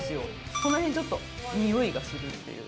この辺ちょっとにおいがするっていう。